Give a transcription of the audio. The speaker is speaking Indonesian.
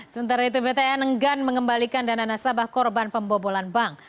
sementara itu btn enggan mengembalikan dana nasabah korban pembobolan bank